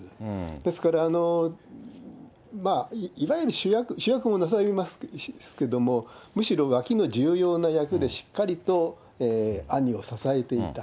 ですから、いわゆる、主役もなさいますけれども、むしろ脇の重要な役で、しっかりと兄を支えていた。